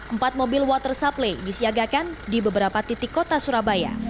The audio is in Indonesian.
empat mobil water supply disiagakan di beberapa titik kota surabaya